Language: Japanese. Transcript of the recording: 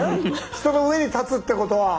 人の上に立つってことは。